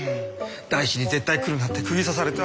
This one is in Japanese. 大志に絶対来るなってくぎ刺された。